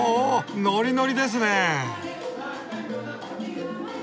ノリノリですね！